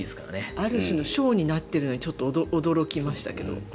ある種のショーになっているのにちょっと驚きましたけど。